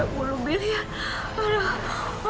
tiga puluh miliar aduh